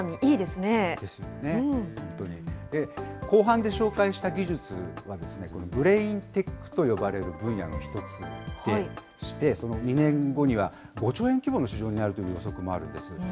後半で紹介した技術は、ブレインテックと呼ばれる分野の一つでして、２年後には５兆円規模の市場になるという予測もあるんです。